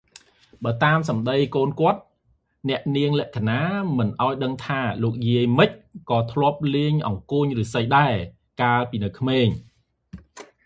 បើតាមសម្តីកូនស្រីគាត់ អ្នកនាង លក្ខិណា បានឱ្យដឹងថា លោកយាយ ម៉ិច ក៏ធ្លាប់លេងអង្កួចឫស្សីដែរ កាលនៅពីក្មេង។